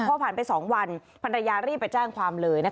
พอผ่านไป๒วันภรรยารีบไปแจ้งความเลย